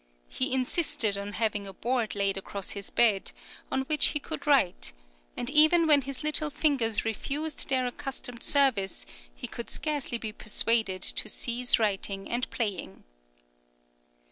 He insisted on having a board laid across his bed, on which he could write; and even when his little fingers refused their accustomed service he could scarcely be persuaded to cease writing and playing.